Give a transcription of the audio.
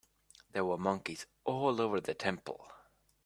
There were monkeys all over the temple.